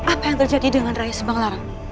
apa yang terjadi dengan rai sibanglaram